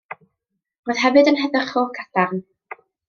Roedd hefyd yn heddychwr cadarn.